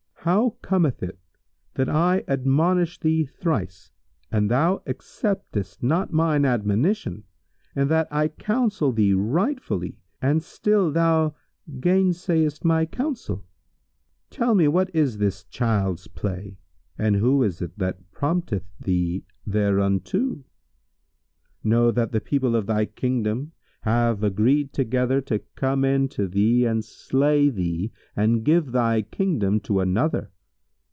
How cometh it that I admonish thee thrice and thou acceptest not mine admonition and that I counsel thee rightfully and still thou gainsayest my counsel? Tell me, what is this child's play and who is it prompteth thee thereunto? Know that the people of thy Kingdom have agreed together to come in to thee and slay thee and give thy Kingdom to another.